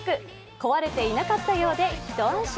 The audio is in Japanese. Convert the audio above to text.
壊れていなかったようで一安心。